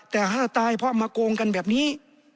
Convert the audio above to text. แต่ถ้าตายเพราะมาโกงกันแบบนี้